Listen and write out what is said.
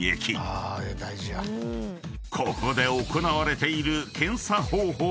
［ここで行われている］